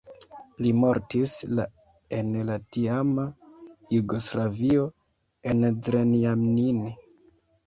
Li mortis la en la tiama Jugoslavio en Zrenjanin.